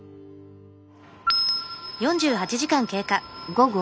午後。